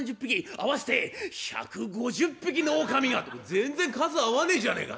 合わせて１５０匹の狼が！ってこれ全然数合わねえじゃねえか。